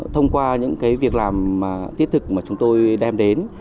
thông qua những việc làm thiết thực mà chúng tôi đem đến